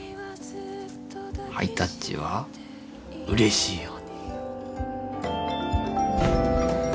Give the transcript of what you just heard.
ハイタッチはうれしいよ。